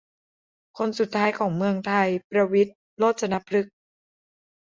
คนสุดท้ายของเมืองไทย ประวิตร โรจนพฤกษ์